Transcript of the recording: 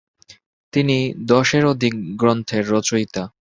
তিনি দশের অধিক গ্রন্থের রচয়িতা।